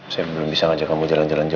saya belum bisa ngajak kamu jalan jalan